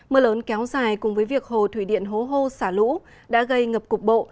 mưa lớn kéo dài cùng với việc hồ thủy điện hố hô xả lũ đã gây ngập cục bộ